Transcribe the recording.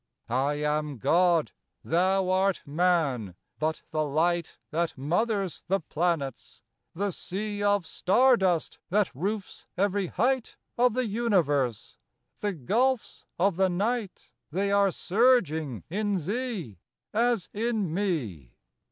I am God: thou art Man: but the light That mothers the planets, the sea Of star dust that roofs every height Of the Universe, the gulfs of the night,— They are surging in thee as in me.